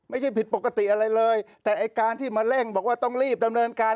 ผิดปกติอะไรเลยแต่ไอ้การที่มาเร่งบอกว่าต้องรีบดำเนินการ